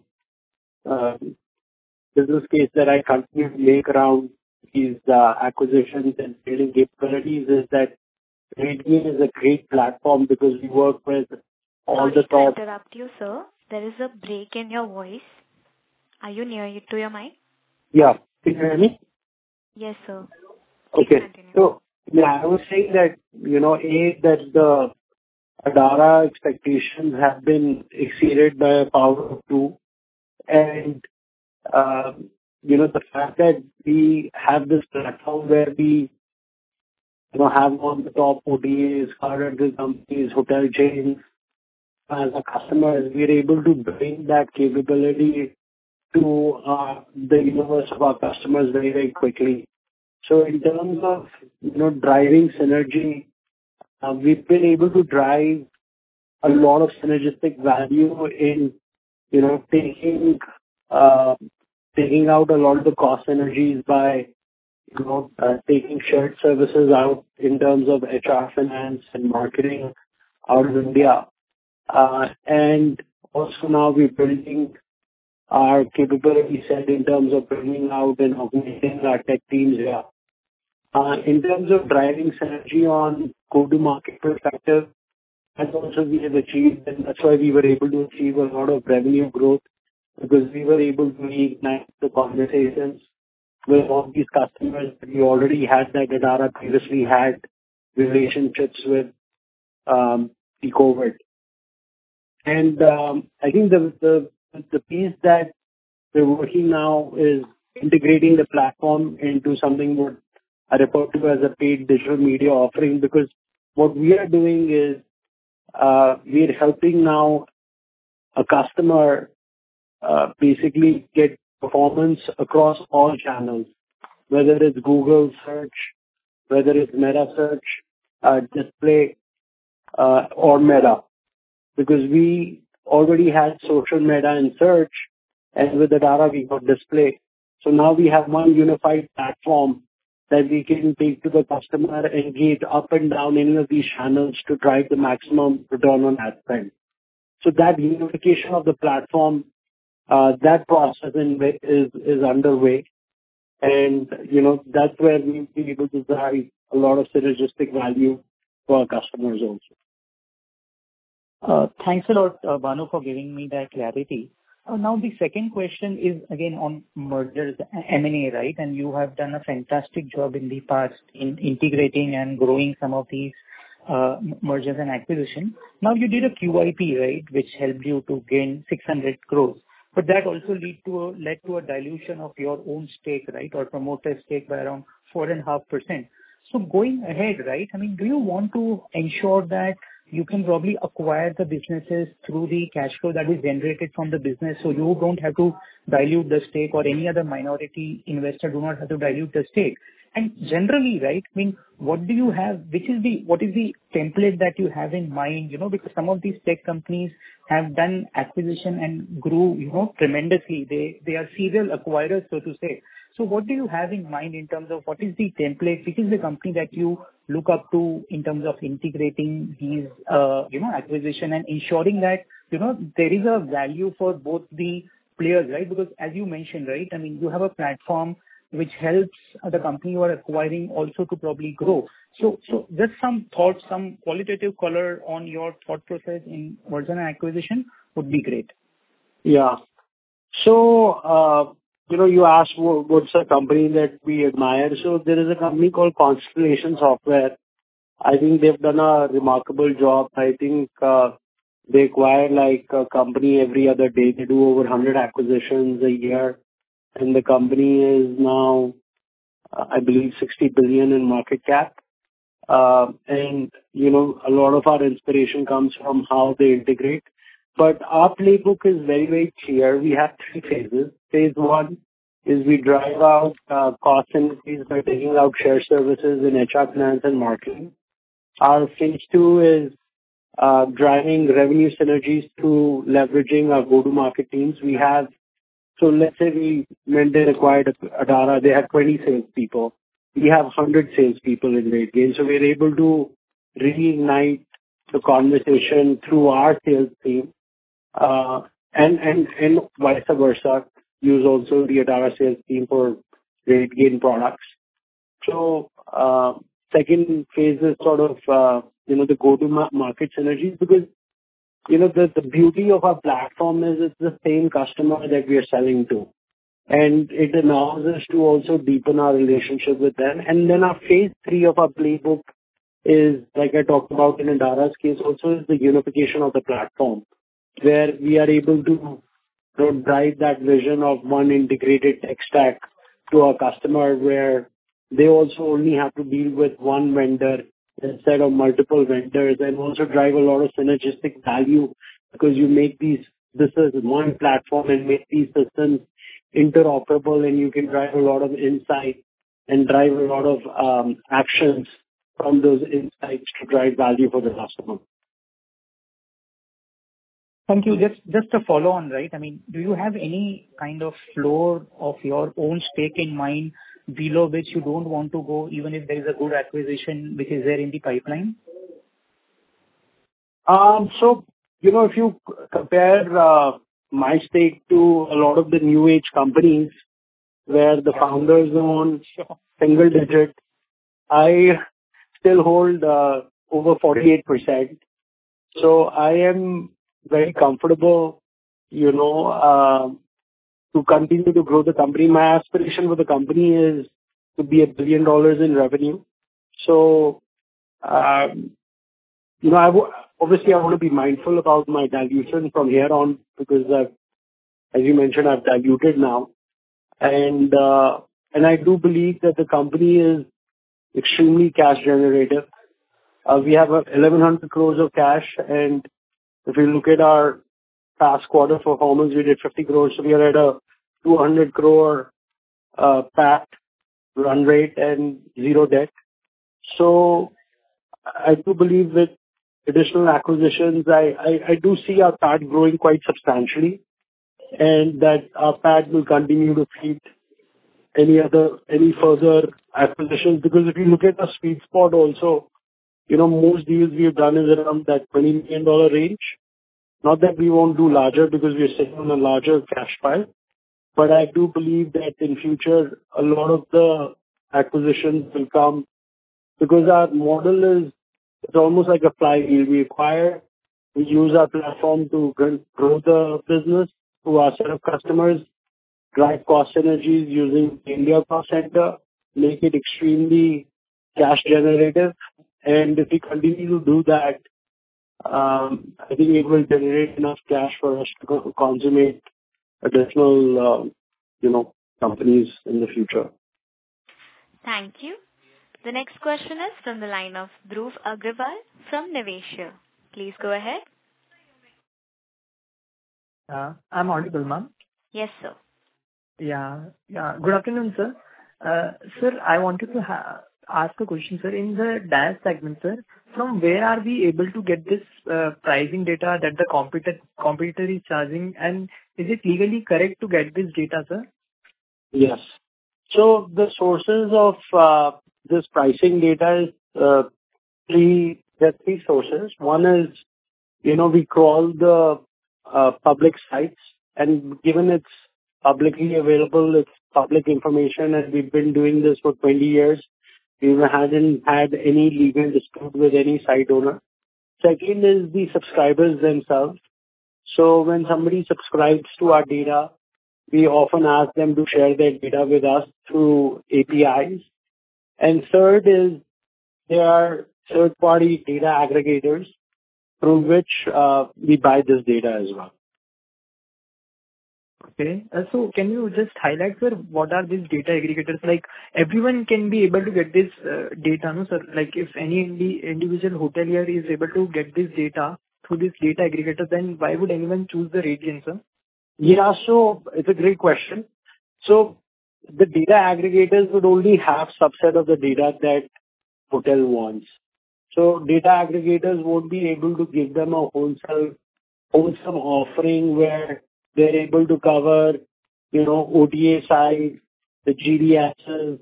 business case that I continue to make around these acquisitions and building capabilities is that RateGain is a great platform because we work with all the top- Sorry to interrupt you, sir. There is a break in your voice. Are you near to your mic? Yeah. Can you hear me? Yes, sir. Okay. You can continue. So I was saying that, you know, A, that the Adara expectations have been exceeded by a power of two. And, you know, the fact that we have this platform where we, you know, have all the top OTAs, car rental companies, hotel chains, as a customer, we are able to bring that capability to, the universe of our customers very, very quickly. So in terms of, you know, driving synergy, we've been able to drive a lot of synergistic value in, you know, taking, taking out a lot of the cost synergies by, you know, taking shared services out in terms of HR, finance, and marketing out of India. And also now we're building our capability set in terms of bringing out and augmenting our tech teams here. In terms of driving synergy on go-to-market perspective, and also we have achieved, and that's why we were able to achieve a lot of revenue growth, because we were able to reignite the conversations with all these customers. We already had that Adara previously had relationships with, Accor. I think the piece that we're working now is integrating the platform into something more, I refer to as a paid digital media offering, because what we are doing is, we're helping now a customer basically get performance across all channels, whether it's Google search, whether it's metasearch, display, or Meta, because we already had social media and search, and with Adara, we got display. So now we have one unified platform that we can take to the customer, engage up and down any of these channels to drive the maximum return on ad spend. So that unification of the platform, that process is underway, and, you know, that's where we'll be able to drive a lot of synergistic value for our customers also. Thanks a lot, Bhanu, for giving me that clarity. Now, the second question is again on mergers, M&A, right? And you have done a fantastic job in the past in integrating and growing some of these mergers and acquisitions. Now, you did a QIP, right? Which helped you to gain 600 crore, but that also led to a dilution of your own stake, right? Or promoter stake by around 4.5%. So going ahead, right, I mean, do you want to ensure that you can probably acquire the businesses through the cash flow that is generated from the business, so you don't have to dilute the stake, or any other minority investor do not have to dilute the stake? And generally, right, I mean, what do you have-- which is the... What is the template that you have in mind, you know, because some of these tech companies have done acquisition and grew, you know, tremendously. They are serial acquirers, so to say. So what do you have in mind in terms of what is the template? Which is the company that you look up to in terms of integrating these, you know, acquisition and ensuring that, you know, there is a value for both the players, right? Because as you mentioned, right, I mean, you have a platform which helps the company you are acquiring also to probably grow. So just some thoughts, some qualitative color on your thought process in merger and acquisition would be great. Yeah. So, you know, you asked what, what's a company that we admire. So there is a company called Constellation Software. I think they've done a remarkable job. I think, they acquire, like, a company every other day. They do over 100 acquisitions a year, and the company is now, I believe, $60 billion in market cap. And, you know, a lot of our inspiration comes from how they integrate. But our playbook is very, very clear. We have three phases. Phase one is we drive out cost synergies by taking out shared services in HR, finance, and marketing. Our phase two is driving revenue synergies through leveraging our go-to-market teams. We have. So let's say we, when they acquired Adara, they had 20 sales people. We have 100 sales people in RateGain. So we're able to reignite the conversation through our sales team, and vice versa, use also the Adara sales team for RateGain products. So, second phase is sort of, you know, the go-to-market synergies because, you know, the beauty of our platform is it's the same customer that we are selling to, and it allows us to also deepen our relationship with them. And then our phase three of our playbook is, like I talked about in Adara's case also, is the unification of the platform, where we are able to, to drive that vision of one integrated tech stack to our customer, where they also only have to deal with one vendor instead of multiple vendors, and also drive a lot of synergistic value because you make these, this as one platform and make these systems interoperable, and you can drive a lot of insight and drive a lot of, actions from those insights to drive value for the customer. Thank you. Just, just to follow on, right? I mean, do you have any kind of floor of your own stake in mind below which you don't want to go, even if there is a good acquisition which is there in the pipeline? So, you know, if you compare my stake to a lot of the new age companies, where the founders own single digit, I still hold over 48%. So I am very comfortable, you know, to continue to grow the company. My aspiration for the company is to be $1 billion in revenue. So, you know, obviously, I want to be mindful about my dilution from here on, because, as you mentioned, I've diluted now. And I do believe that the company is extremely cash generative. We have 1,100 crores of cash, and if you look at our past quarter performance, we did 50 crores. So we are at a 200 crore PAT run rate and zero debt. So I do believe with additional acquisitions, I do see our PAT growing quite substantially, and that our PAT will continue to feed any other, any further acquisitions. Because if you look at our sweet spot also, you know, most deals we have done is around that $20 million range. Not that we won't do larger, because we're sitting on a larger cash pile, but I do believe that in future, a lot of the acquisitions will come because our model is, it's almost like a flywheel. We acquire, we use our platform to build, grow the business to our set of customers, drive cost synergies using India cost center, make it extremely cash generative. And if we continue to do that, I think it will generate enough cash for us to consummate additional, you know, companies in the future. Thank you. The next question is from the line of Dhruv Agarwal from Niveshaay. Please go ahead.... I'm audible, ma'am? Yes, sir. Yeah. Yeah. Good afternoon, sir. Sir, I wanted to ask a question, sir. In the DaaS segment, sir, from where are we able to get this pricing data that the competitor is charging? And is it legally correct to get this data, sir? Yes. So the sources of this pricing data is three. There are three sources. One is, you know, we crawl the public sites, and given it's publicly available, it's public information, and we've been doing this for 20 years, we haven't had any legal dispute with any site owner. Second is the subscribers themselves. So when somebody subscribes to our data, we often ask them to share their data with us through APIs. And third is, there are third-party data aggregators through which we buy this data as well. Okay. So can you just highlight, sir, what are these data aggregators? Like, everyone can be able to get this data, no, sir? Like, if any individual hotelier is able to get this data through this data aggregator, then why would anyone choose the RateGain, sir? Yeah, so it's a great question. So the data aggregators would only have subset of the data that hotel wants. So data aggregators won't be able to give them a wholesale, wholesome offering, where they're able to cover, you know, OTA sites, the GDSs,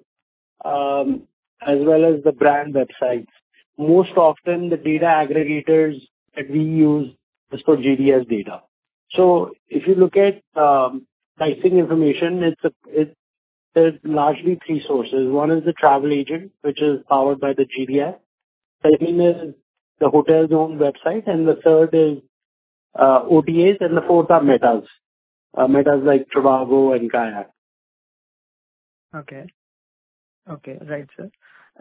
as well as the brand websites. Most often, the data aggregators that we use is for GDS data. So if you look at pricing information, there's largely three sources. One is the travel agent, which is powered by the GDS. Second is the hotel's own website, and the third is OTAs, and the fourth are metas. Metas like Trivago and Kayak. Okay. Okay, right, sir.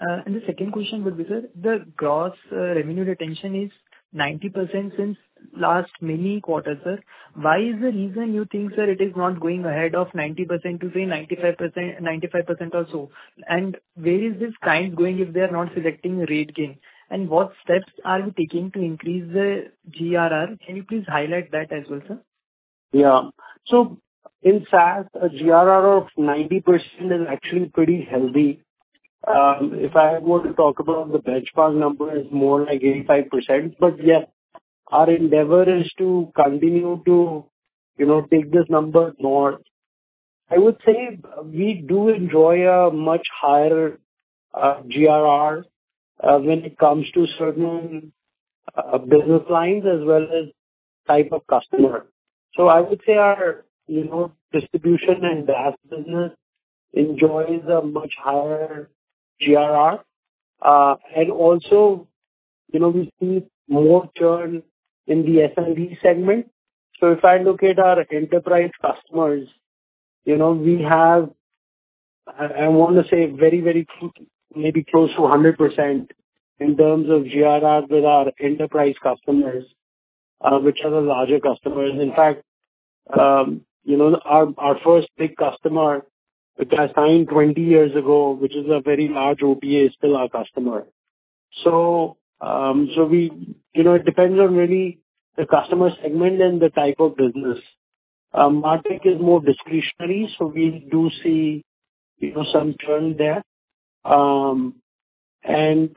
And the second question would be, sir, the gross revenue retention is 90% since last many quarters, sir. Why is the reason you think, sir, it is not going ahead of 90% to say 95%, 95% or so? And where is this client going if they are not selecting RateGain? And what steps are you taking to increase the GRR? Can you please highlight that as well, sir? Yeah. So in SaaS, a GRR of 90% is actually pretty healthy. If I were to talk about the benchmark number, it's more like 85%. But, yes, our endeavor is to continue to, you know, take this number more. I would say we do enjoy a much higher GRR when it comes to certain business lines as well as type of customer. So I would say our, you know, distribution and DaaS business enjoys a much higher GRR. And also, you know, we see more churn in the SMB segment. So if I look at our enterprise customers, you know, we have, I, I want to say very, very close, maybe close to 100% in terms of GRR with our enterprise customers, which are the larger customers. In fact, you know, our, our first big customer, which I signed 20 years ago, which is a very large OTA, is still our customer. So, so we... You know, it depends on really the customer segment and the type of business. Market is more discretionary, so we do see, you know, some churn there. And,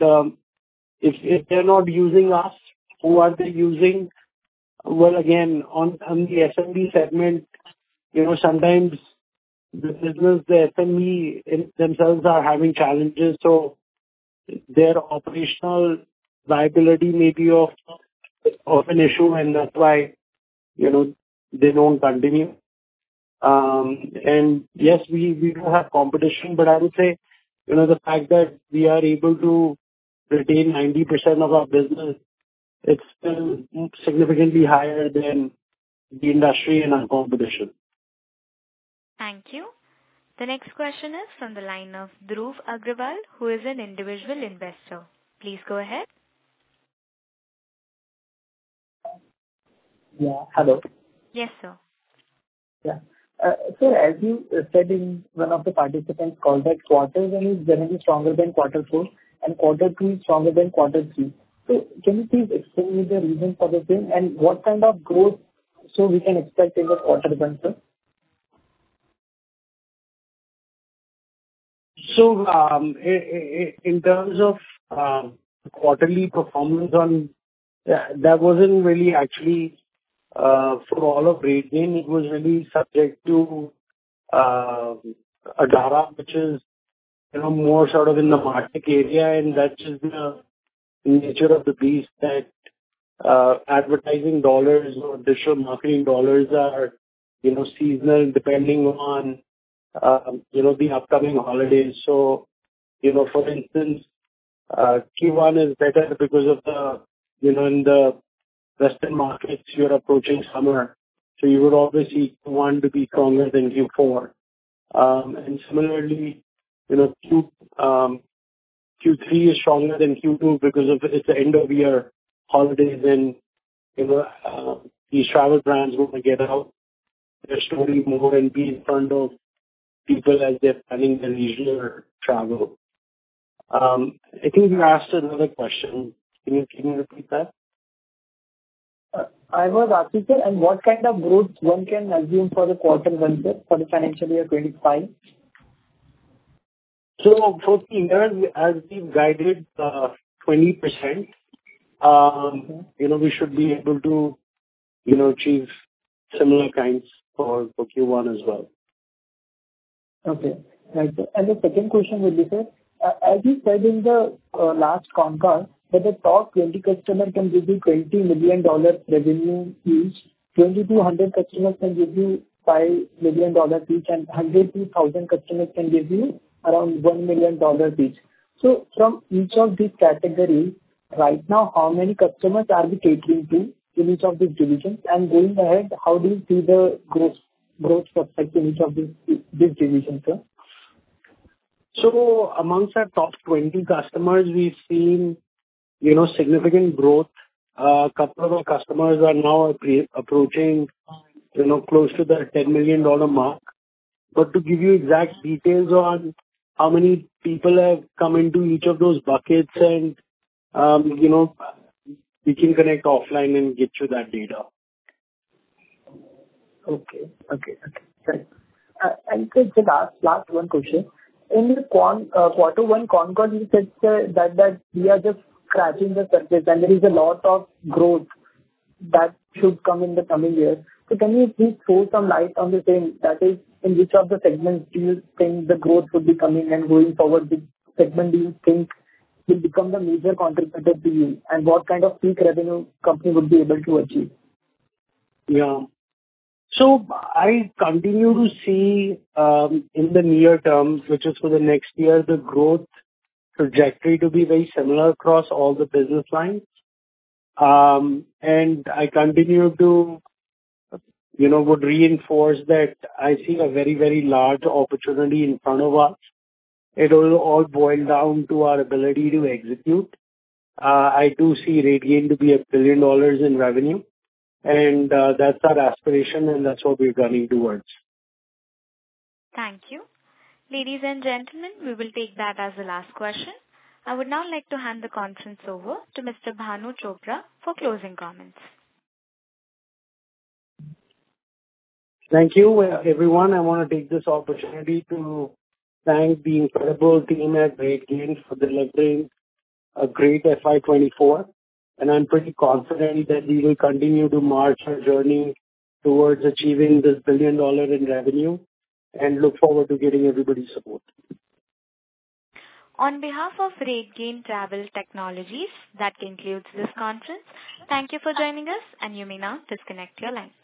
if, if they're not using us, who are they using? Well, again, on, on the SMB segment, you know, sometimes the business, the SMB, in themselves are having challenges, so their operational viability may be of, of an issue, and that's why, you know, they don't continue. And, yes, we, we do have competition, but I would say, you know, the fact that we are able to retain 90% of our business, it's still significantly higher than the industry and our competition. Thank you. The next question is from the line of Dhruv Agarwal, who is an individual investor. Please go ahead. Yeah. Hello? Yes, sir. Yeah. Sir, as you said in one of the participants call that Quarter One is generally stronger than Quarter Four, and Quarter Two is stronger than Quarter Three. So can you please explain me the reason for this thing, and what kind of growth so we can expect in the quarter then, sir? So, in terms of quarterly performance on... That, that wasn't really actually for all of RateGain, it was really subject to Adara, which is, you know, more sort of in the market area, and that's just the nature of the beast, that advertising dollars or digital marketing dollars are, you know, seasonal, depending on you know, the upcoming holidays. So, you know, for instance, Q1 is better because of the, you know, in the western markets, you're approaching summer, so you would obviously want to be stronger than Q4. And similarly, you know, Q3 is stronger than Q2 because of it's the end-of-year holidays and, you know, these travel brands want to get out their story more and be in front of people as they're planning their leisure travel. I think you asked another question. Can you, can you repeat that? I was asking, and what kind of growth one can assume for quarter one for the financial year 2025? So for the year, we, as we've guided, 20%, you know, we should be able to, you know, achieve similar kinds for Q1 as well. Okay, thank you. The second question would be, sir, as you said in the last con call, that the top 20 customer can give you $20 million revenue each, 20-100 customers can give you $5 million each, and 100-1,000 customers can give you around $1 million each. So from each of these categories, right now, how many customers are we catering to in each of these divisions? And going ahead, how do you see the growth, growth perspective in each of these, these divisions, sir? So amongst our top 20 customers, we've seen, you know, significant growth. A couple of our customers are now approaching, you know, close to the $10 million mark. But to give you exact details on how many people have come into each of those buckets and, you know, we can connect offline and get you that data. Okay. Okay, okay, great. And just last one question. In the quarter one con call, you said, sir, that we are just scratching the surface and there is a lot of growth that should come in the coming years. So can you please throw some light on the same, that is, in which of the segments do you think the growth would be coming, and going forward, which segment do you think will become the major contributor to you, and what kind of peak revenue company would be able to achieve? Yeah. So I continue to see, in the near term, which is for the next year, the growth trajectory to be very similar across all the business lines. And I continue to, you know, would reinforce that I see a very, very large opportunity in front of us. It will all boil down to our ability to execute. I do see RateGain to be $1 billion in revenue, and that's our aspiration and that's what we're running towards. Thank you. Ladies and gentlemen, we will take that as the last question. I would now like to hand the conference over to Mr. Bhanu Chopra for closing comments. Thank you, everyone. I want to take this opportunity to thank the incredible team at RateGain for delivering a great FY 2024, and I'm pretty confident that we will continue to march our journey towards achieving this $1 billion in revenue, and look forward to getting everybody's support. On behalf of RateGain Travel Technologies, that concludes this conference. Thank you for joining us, and you may now disconnect your lines.